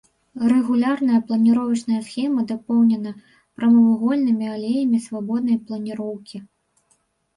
Рэгулярная планіровачная схема дапоўнена прамавугольнымі алеямі свабоднай планіроўкі.